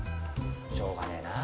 しょうがねえな。